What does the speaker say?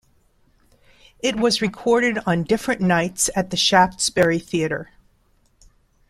It was recorded on different nights at the Shaftesbury Theatre.